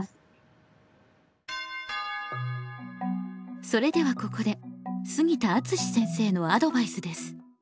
それではここで杉田敦先生のアドバイスです。